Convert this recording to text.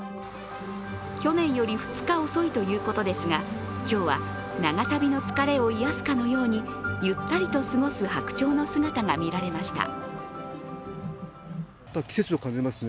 去年より２日遅いということですが今日は長旅の疲れを癒やすかのようにゆったりと過ごす白鳥の姿が見られました。